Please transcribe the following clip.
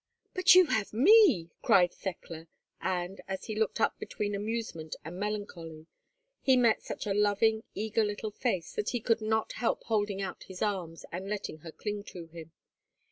"But you have me!" cried Thekla; and, as he looked up between amusement and melancholy, he met such a loving eager little face, that he could not help holding out his arms, and letting her cling to him.